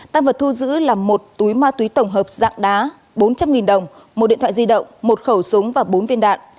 tăng vật thu giữ là một túi ma túy tổng hợp dạng đá bốn trăm linh đồng một điện thoại di động một khẩu súng và bốn viên đạn